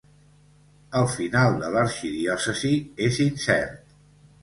El final de l'arxidiòcesi és incert.